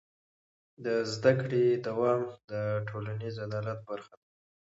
د زده کړې دوام د ټولنیز عدالت برخه ده.